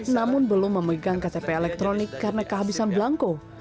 namun belum memegang ktp elektronik karena kehabisan belangko